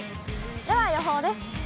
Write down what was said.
では予報です。